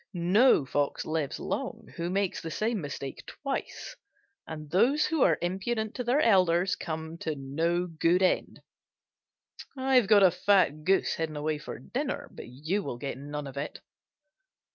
No Fox lives long who makes the same mistake twice. And those who are impudent to their elders come to no good end. I've got a fat goose hidden away for dinner, but you will get none of it."